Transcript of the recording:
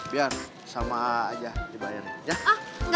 biar sama aja dibayarin ya